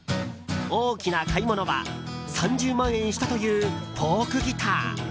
大きな買い物は３０万円したというフォークギター。